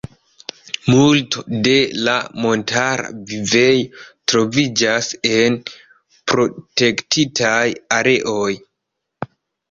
Multo de la montara vivejo troviĝas en protektitaj areoj.